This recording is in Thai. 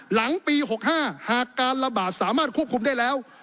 หลังปี๖๕หากการระบาดสามารถควบคุมได้แล้ว